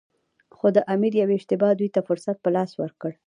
خو د امیر یوې اشتباه دوی ته فرصت په لاس ورکړ.